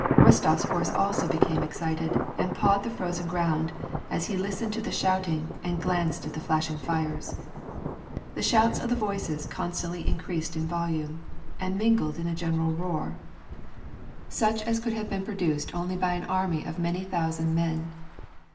Rostof's horse also became excited, and pawed the frozen ground, as he listened to the shouting, and glanced at the flashing fires. The shouts of the voices constantly increased in volume, and mingled in a general roar, such as could have been pro WAR AND PEACE. 325 duced only by an army of many thousand men.